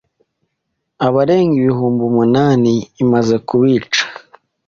Abarenga ibihumbi umunani imaze kubica.